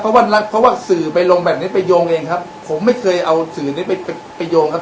เพราะว่ารักเพราะว่าสื่อไปลงแบบนี้ไปโยงเองครับผมไม่เคยเอาสื่อนี้ไปไปโยงครับ